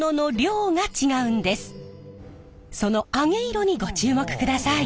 その揚げ色にご注目ください！